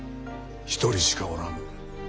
一人しかおらぬ。